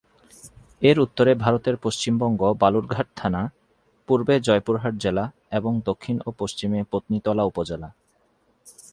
এর উত্তরে ভারতের পশ্চিমবঙ্গ বালুরঘাট থানা, পূর্বে জয়পুরহাট জেলা এবং দক্ষিণ ও পশ্চিমে পত্নীতলা উপজেলা।